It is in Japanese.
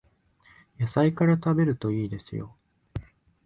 野菜から食べるといいですよ